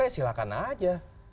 ya silahkan saja